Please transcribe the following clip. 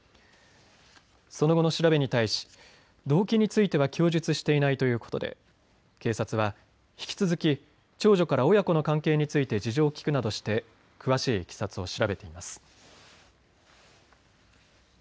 その後の調べに対し動機については供述していないということで警察は引き続き長女から親子の関係について事情を聞くなどして詳しいいきさつを調べています。